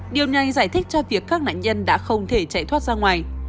điều này giải thích cho việc các nạn nhân đã không thể chạy thoát ra ngoài